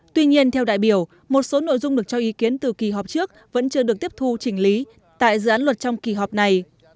tuy nhiên theo đại biểu một số nội dung được cho ý kiến từ kỳ họp trước vẫn chưa được tiếp thu chỉnh lý tại dự án luật trong kỳ họp này